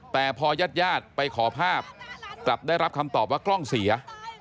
แต่พอยาดไปขอภาพได้รับคำตอบว่ากล้องเสีย